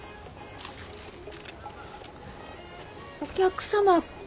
お客様。